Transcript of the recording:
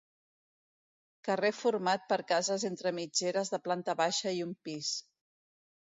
Carrer format per cases entre mitgeres de planta baixa i un pis.